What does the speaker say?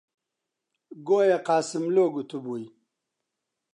گۆیا قاسملوو گوتبووی: